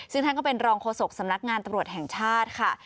ซึ่งท่านก็เป็นรองโฆษกสำนักงานตำรวจแห่งชาติค่ะ